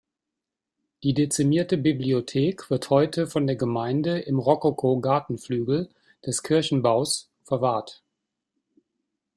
Die dezimierte Bibliothek wird heute von der Gemeinde im Rokoko-Gartenflügel des Kirchenbaus verwahrt.